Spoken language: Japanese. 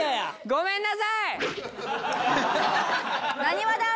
ごめんなさい！